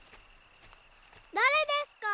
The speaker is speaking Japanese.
だれですか？